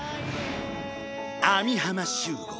網浜秀吾